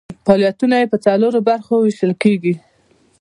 فعالیتونه یې په څلورو برخو ویشل کیږي.